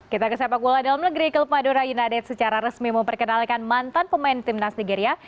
kita ke sepak bola dalam negeri klub madura united secara resmi memperkenalkan mantan pemain timnas nigeria